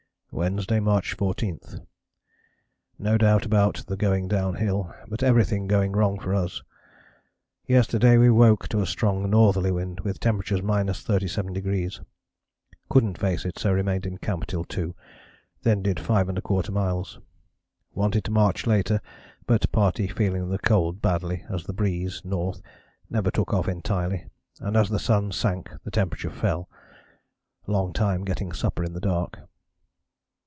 "Wednesday, March 14. No doubt about the going downhill, but everything going wrong for us. Yesterday we woke to a strong northerly wind with temp. 37°. Couldn't face it, so remained in camp till 2, then did 5¼ miles. Wanted to march later, but party feeling the cold badly as the breeze (N.) never took off entirely, and as the sun sank the temp. fell. Long time getting supper in dark.